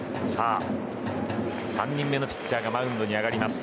３人目のピッチャーがマウンドに上がります。